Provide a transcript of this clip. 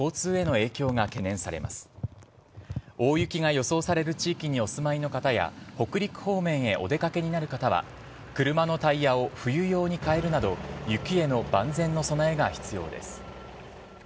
大雪が予想される地域にお住まいの方や北陸方面へお出掛けになる方は車のタイヤを冬用に替えるなど雪への万全の備えが必要です。